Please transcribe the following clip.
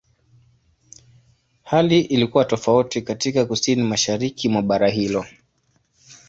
Hali ilikuwa tofauti katika Kusini-Mashariki mwa bara hilo.